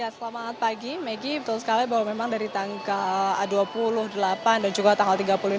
selamat pagi maggie betul sekali bahwa memang dari tanggal dua puluh delapan dan juga tanggal tiga puluh lima